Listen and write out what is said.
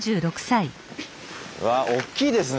うわおっきいですね。